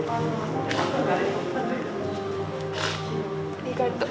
ありがとう。